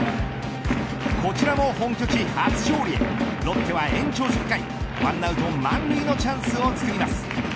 こちらの本拠地初勝利へロッテは延長１０回１アウト満塁のチャンスを作ります。